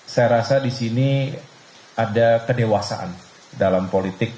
saya rasa di sini ada kedewasaan dalam politik